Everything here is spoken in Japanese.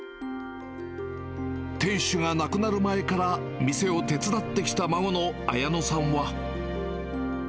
店主が亡くなる前から店を手伝ってきた孫のあやのさんは。